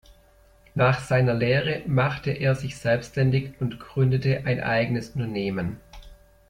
Nach seiner Lehre machte er sich selbständig und gründete ein eigenes Unternehmen.